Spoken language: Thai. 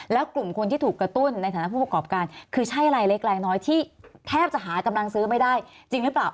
แล้วกลุ่มคนที่ถูกกระตุ้นในฐานะผู้ประกอบการคือใช่รายเล็กรายน้อยที่แทบจะหากำลังซื้อไม่ได้จริงหรือเปล่า